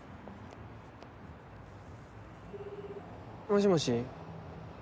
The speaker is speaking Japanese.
もしもし。